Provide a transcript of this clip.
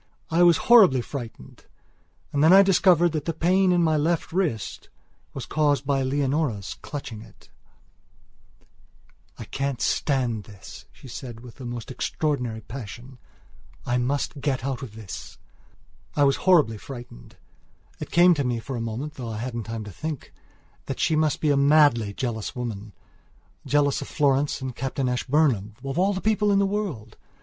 I was horribly frightened and then I discovered that the pain in my left wrist was caused by Leonora's clutching it: "I can't stand this," she said with a most extraordinary passion; "I must get out of this." I was horribly frightened. It came to me for a moment, though I hadn't time to think it, that she must be a madly jealous womanjealous of Florence and Captain Ashburnham, of all people in the world!